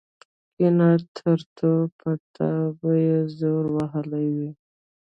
کېنه ټرتو په تا به يې زور وهلی وي.